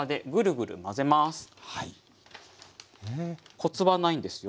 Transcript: コツはないんですよ。